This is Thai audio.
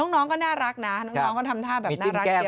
น้องก็น่ารักนะน้องก็ทำท่าแบบน่ารักดี